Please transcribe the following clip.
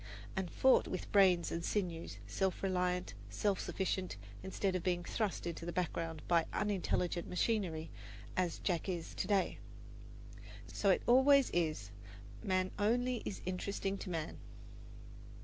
and fought with brains and sinews, self reliant, self sufficient, instead of being thrust into the background by unintelligent machinery, as Jack is to day. So it always is "man only is interesting to man."